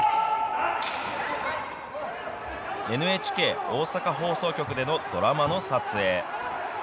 ＮＨＫ大阪放送局でのドラマの撮影。